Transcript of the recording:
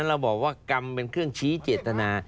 เราบอกว่ากรรมเป็นเครื่องชี้เจตนา